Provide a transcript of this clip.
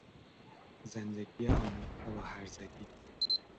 زندگی آمیخته با هرزگی